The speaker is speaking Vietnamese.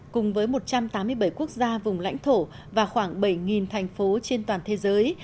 cùng với một trăm tám mươi bảy quốc gia vùng lãnh thổ và khoảng bảy thành phố trên toàn thế giới